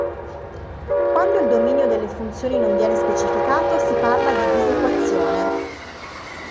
Quando il dominio delle funzioni non viene specificato, si parla di disequazione.